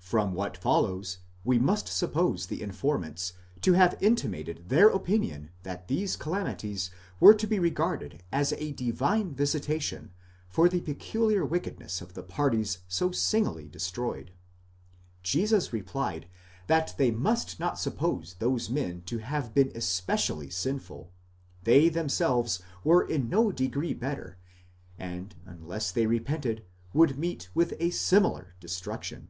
From what follows, we must suppose the informants to have intimated their opinion that these calamities were to be regarded as a divine visitation for the peculiar wickedness of the parties so signally destroyed. Jesus replied that they must not suppose those men to have been especially sinful ; they themselves were in no degree better, and unless they repented would meet with a similar destruction.